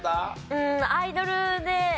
うんアイドルで。